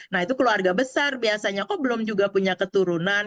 nah itu keluarga besar biasanya kok belum juga punya keturunan